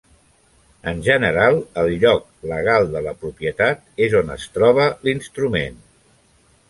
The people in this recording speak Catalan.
En general, el "lloc" legal de la propietat és on es troba l'instrument.